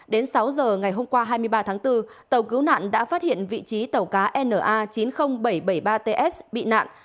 đến sáu giờ ngày hôm qua hai mươi ba tháng bốn tàu cứu nạn đã phát hiện vị trí tàu cá na chín mươi nghìn bảy trăm bảy mươi ba ts bị nạn